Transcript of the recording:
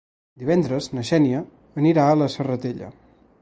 Divendres na Xènia anirà a la Serratella.